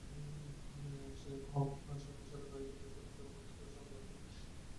সেই অভ্যাস অনুসারে গাড়ির শব্দ শুনিবামাত্র যন্ত্রচালিতের মতো আশা জানলার কাছে আসিয়া উপস্থিত হইল।